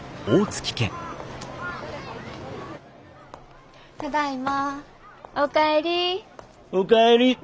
お帰り。